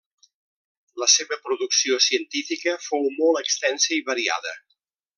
La seva producció científica fou molt extensa i variada.